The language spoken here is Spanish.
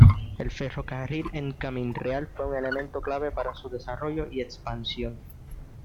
El ferrocarril en Caminreal fue un elemento clave para su desarrollo y expansión.